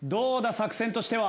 作戦としては。